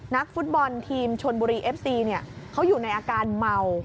นักฟุตบอลทีมชนบุรีเอฟซีเนี่ยเขาอยู่ในอาการเมา